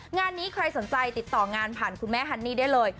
งานนี้ใครสนใจติดต่องานผ่านคุณแม่ฮันนี่ได้เลย